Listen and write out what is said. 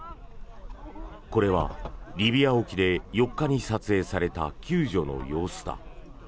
これはリビア沖で４日に撮影された救助の様子だ。